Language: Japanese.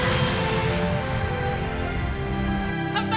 乾杯！